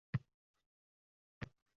Etib borguncha yuragim o`yilib tamom bo`ldi